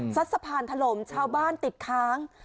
สะพานถล่มชาวบ้านติดค้าง